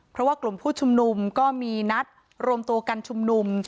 เพราะว่ากลุ่มผู้ชุมนุมก็มีนัดรวมตัวกันชุมนุม